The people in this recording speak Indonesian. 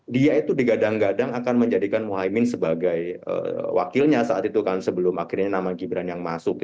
dia itu digadang gadang akan menjadikan mohaimin sebagai wakilnya saat itu kan sebelum akhirnya nama gibran yang masuk